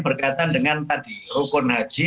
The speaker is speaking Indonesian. berkaitan dengan tadi rukun haji